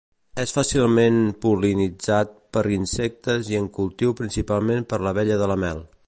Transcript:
És fàcilment pol·linitzat per insectes i en cultiu principalment per l'abella de la mel.